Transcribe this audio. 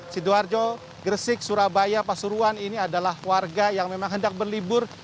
sidoarjo gresik surabaya pasuruan ini adalah warga yang memang hendak berlibur